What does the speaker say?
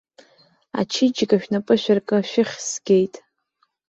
Ачеиџьыка шәнапы ашәаркы, шәыххь згеит.